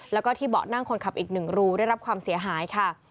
แล้วก็ที่เบาะนั่งคนขับอีก๑รูได้รับความเสียหายค่ะ